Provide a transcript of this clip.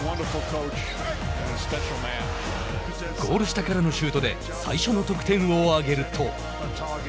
ゴール下からのシュートで最初の得点を挙げると。